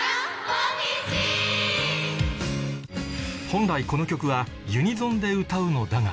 本来この曲はユニゾンで歌うのだが